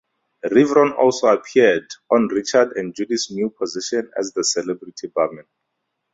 Rivron also appeared on "Richard and Judy's New Position" as the celebrity barman.